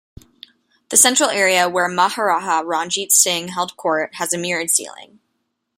The central area, where Maharaja Ranjit Singh held court, has a mirrored ceiling.